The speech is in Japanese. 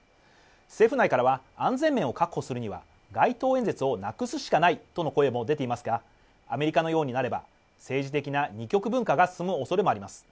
政府内からは安全面を確保するには街頭演説をなくすしかないとの声も出ていますが、アメリカのようになれば、政治的な二極分化が進むおそれもあります。